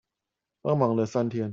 幫忙了三天